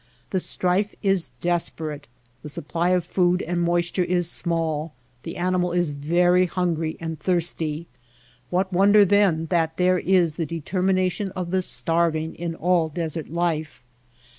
The strife is des perate ; the supply of food and moisture is small, the animal is very hungry and thirsty. What wonder then that there is the determi nation of the starving in all desert life